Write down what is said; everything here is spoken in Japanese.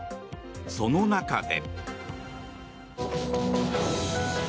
その中で。